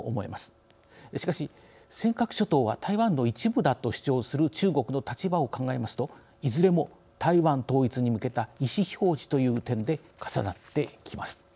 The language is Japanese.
しかし尖閣諸島は台湾の一部だと主張する中国の立場を考えますといずれも台湾統一に向けた意思表示という点で重なってきます。